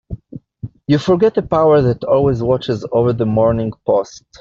You forget the power that always watches over the Morning Post.